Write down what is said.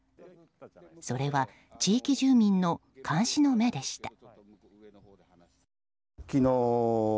それは、地域住民の監視の目でした。